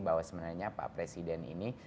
bahwa sebenarnya pak presiden ini